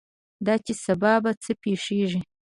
دا چې سبا به څه پېښېږي.